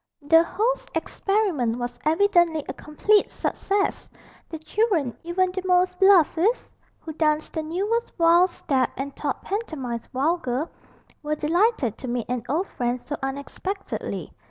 The host's experiment was evidently a complete success: the children, even the most blasés, who danced the newest valse step and thought pantomines vulgar, were delighted to meet an old friend so unexpectedly.